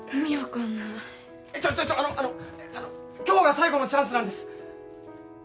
今日が最後のチャンスなんです。